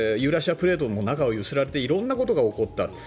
プレートの中が揺すられて色んなことが起こった。